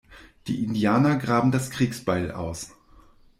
Die Indianer graben das Kriegsbeil aus.